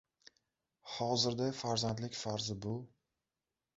— Hozirda farzandlik farzi bu —